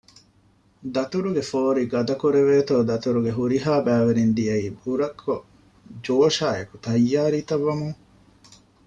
ދަތުރުގެ ފޯރި ގަދަކުރެވޭތޯ ދަތުރުގެ ހުރިހާ ބައިވެރިން ދިޔައީ ބުރަކޮށް ޖޯޝާއެކު ތައްޔާރީ ތައް ވަމުން